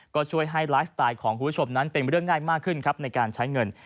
ก็ช่วยให้ไลฟ์สไตล์ของคุณผู้ชมนั้นเป็นเรื่องง่ายมากขึ้นครับในการใช้เงิน